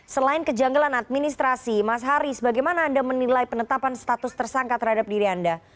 selain kejanggalan administrasi mas haris bagaimana anda menilai penetapan status tersangka terhadap diri anda